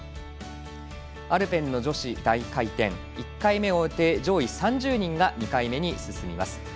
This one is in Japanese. アルペンの女子大回転１回目を終えて上位３０人が２回目に進みます。